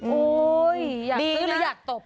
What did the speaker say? โอ้ยอยากซื้อหรืออยากตบ